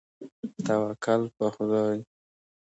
توکل په خدای.